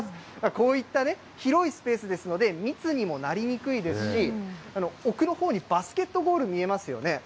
こういったね、広いスペースですので、密にもなりにくいですし、奥のほうにバスケットゴール見えますよね。